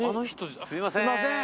すいません。